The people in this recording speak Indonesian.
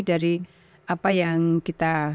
dari apa yang kita